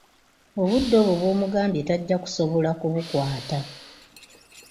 Obudde obwo bw'omugambye tajja kusobola kubukwata.